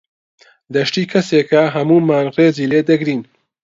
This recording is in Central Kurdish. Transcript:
دەشتی کەسێکە هەموومان ڕێزی لێ دەگرین.